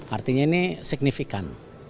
artinya ini signifikan